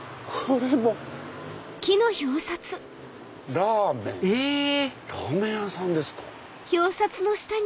ラーメン屋さんですか！